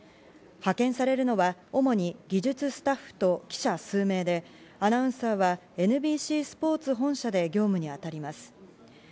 派遣されるのは主に技術スタッフと記者数名でアナウンサーはＮＢＣスポーツ本社で業務にあたります。